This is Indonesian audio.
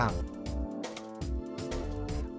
bangkitnya perfilman indonesia